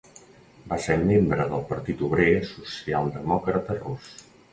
Va ser membre de Partit Obrer Socialdemòcrata Rus.